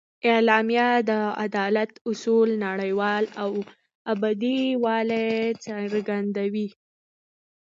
اعلامیه د عدالت اصولو نړیوال او ابدي والي څرګندوي.